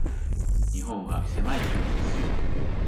日本は狭い国です。